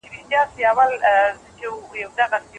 یوازې د خدای اطاعت په خلګو لازم ګڼل کيده.